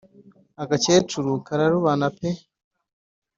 agakecuru kararubana pe